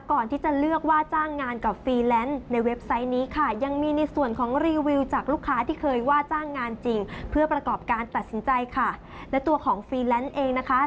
ก่อนที่จะเลือกว่าจ้างงานกับฟรีแลนซ์ในเว็บไซต์นี้ค่ะ